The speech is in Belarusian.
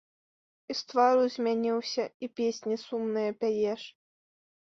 І з твару змяніўся, і песні сумныя пяеш.